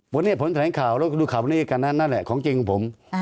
วันนี้ผลแถลงข่าวแล้วก็ดูข่าวนี้กันนั่นแหละของจริงของผม